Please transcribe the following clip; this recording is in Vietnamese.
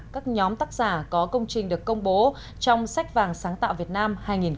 các nhóm tác giả có công trình được công bố trong sách vàng sáng tạo việt nam hai nghìn một mươi chín